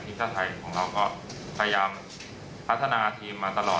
ทีมชาติไทยของเราก็พยายามพัฒนาทีมมาตลอด